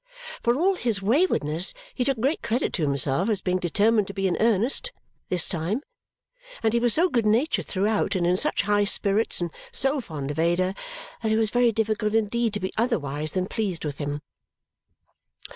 For all his waywardness, he took great credit to himself as being determined to be in earnest "this time." And he was so good natured throughout, and in such high spirits, and so fond of Ada, that it was very difficult indeed to be otherwise than pleased with him.